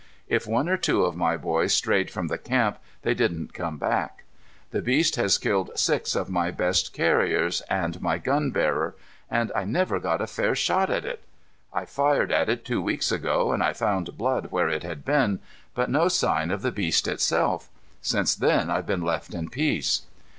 If one or two of my boys strayed from the camp, they didn't come back. The beast has killed six of my best carriers and my gun bearer. And I never got a fair shot at it! I fired at it two weeks ago and I found blood where it had been, but no sign of the beast itself. Since then I've been left in peace."